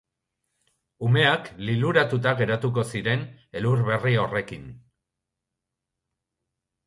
Umeak liluratuta geratuko ziren elur berri horrekin.